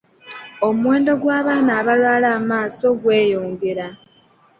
Omuwendo gw'abaana abalwala amaaso gweyongera.